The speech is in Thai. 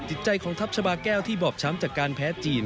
จิตใจของทัพชาบาแก้วที่บอบช้ำจากการแพ้จีน